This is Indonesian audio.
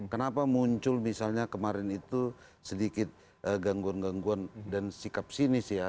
kenapa muncul misalnya kemarin itu sedikit gangguan gangguan dan sikap sinis ya